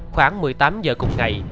khoảng một mươi tám h cùng ngày